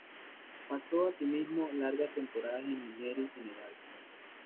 Pasó asimismo largas temporadas en Nigeria y Senegal.